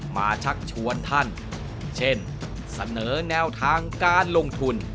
ชักชวนท่านเช่นเสนอแนวทางการลงทุน